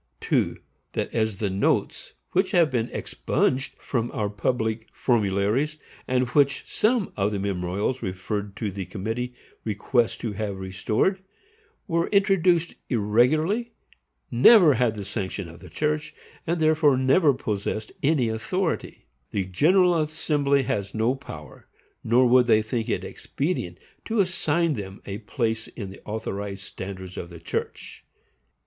2. That as the notes which have been expunged from our public formularies, and which some of the memorials referred to the committee request to have restored, were introduced irregularly, never had the sanction of the church, and therefore never possessed any authority, the General Assembly has no power, nor would they think it expedient, to assign them a place in the authorized standards of the church.